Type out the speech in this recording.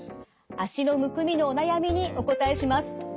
脚のむくみのお悩みにお答えします。